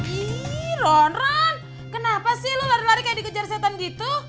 ih ronron kenapa sih lu lari lari kayak dikejar setan gitu